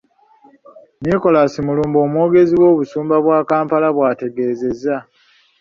Nicholas Mulumba omwogezi w'Obusumba bwa Kampala bw'ategeezezza.